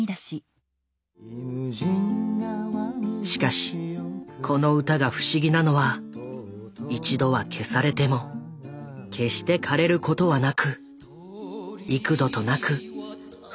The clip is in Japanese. しかしこの歌が不思議なのは一度は消されても決してかれることはなく幾度となく復活を遂げたことだ。